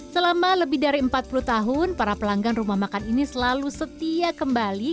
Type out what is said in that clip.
selama lebih dari empat puluh tahun para pelanggan rumah makan ini selalu setia kembali